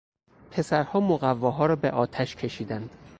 پسرها مقواها را به آتش کشیدند.